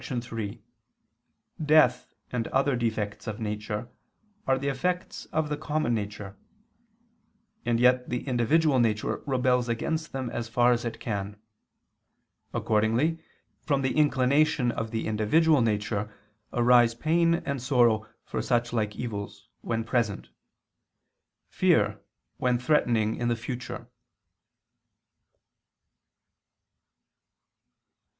3: Death and other defects of nature are the effects of the common nature; and yet the individual nature rebels against them as far as it can. Accordingly, from the inclination of the individual nature arise pain and sorrow for such like evils, when present; fear when threatening in the future.